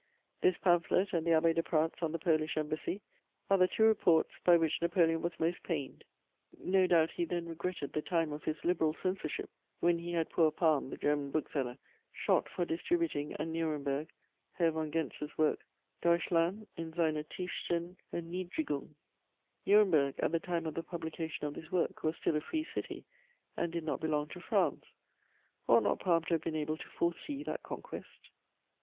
_ This pamphlet and the Abbé de Pradt's on the Polish Embassy are the two reports by which Napoleon was most pained. No doubt he then regretted the time of his liberal censorship, when he had poor Palm, the German bookseller, shot for distributing, at Nuremberg, Herr von Gentz's work, Deutschland in seiner tiefsten Erniedrigung. Nuremberg, at the time of the publication of this work, was still a free city, and did not belong to France: ought not Palm to have been able to foresee that conquest?